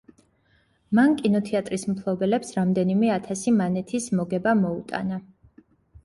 მან კინოთეატრის მფლობელებს რამდენიმე ათასი მანეთის მოგება მოუტანა.